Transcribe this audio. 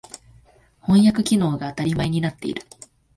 翻訳機能が当たり前になっている。